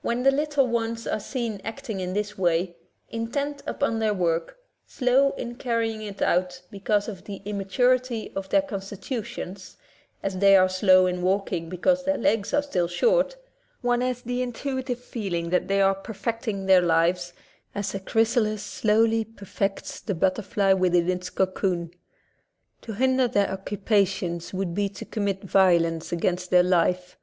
When the little ones are seen acting in this way, intent upon their work, slow in carrying it out because of the immaturity of their con stitutions, as they are slow in walking, be cause their legs are still short, one has the in tuitive feeling that they are perfecting their lives, as a chrysalis slowly perfects the butter fly within its cocoon. To hinder their occu pations would be to commit violence against their life.